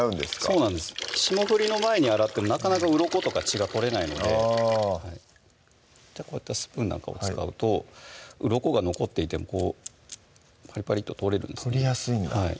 そうなんです霜降りの前に洗ってもなかなかうろことか血が取れないのであじゃあこういったスプーンなんかを使うとうろこが残っていてもこうパリパリと取れるんですね取りやすいんだはい